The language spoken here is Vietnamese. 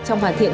trong hoàn thiện